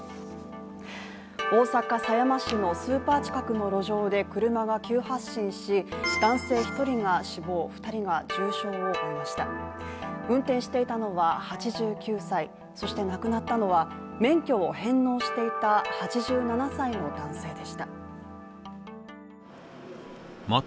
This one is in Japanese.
大阪狭山市のスーパー近くの路上で車が急発進し、男性１人が死亡、２人が重軽傷を負いましたが、運転していたのは８９歳そして亡くなったのは、免許を返納していた８７歳の男性でした。